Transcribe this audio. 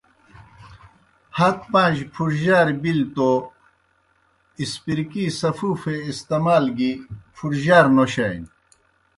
ہت پاں جیْ پُھڙجیار بلیْ توْ اِسپِرکی سفوفے استعمال گیْ پُھڙجِیار نوشانیْ۔